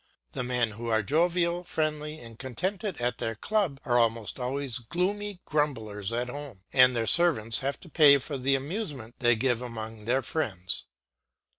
The men who are jovial, friendly, and contented at their club are almost always gloomy grumblers at home, and their servants have to pay for the amusement they give among their friends.